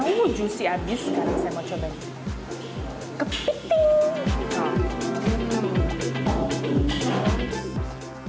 yang juicy abis sekarang saya mau cobain kepiting